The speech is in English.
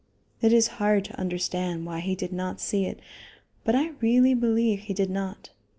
It is hard to understand why he did not see it, but I really believe he did not.